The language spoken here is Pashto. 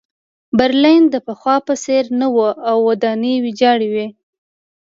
برلین د پخوا په څېر نه و او ودانۍ ویجاړې وې